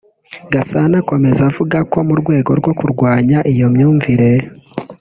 Gasana akomeza avuga ko mu rwego rwo kurwanya iyo myumvire